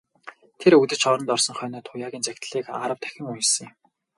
Тэр үдэш оронд орсон хойноо Туяагийн захидлыг арав дахин уншсан юм.